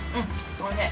おいしい。